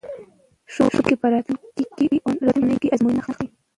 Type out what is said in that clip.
ښوونکي به راتلونکې اونۍ ازموینه اخلي.